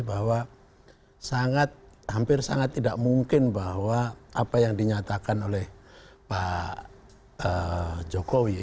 bahwa sangat hampir sangat tidak mungkin bahwa apa yang dinyatakan oleh pak jokowi